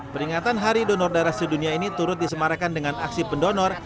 peringatan hari donor darah sedunia ini turut disemarakan dengan aksi pendonor